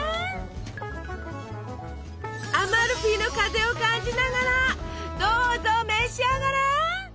アマルフィの風を感じながらどうぞ召し上がれ！